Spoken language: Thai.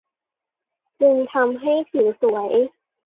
จึงทำให้ผิวสวย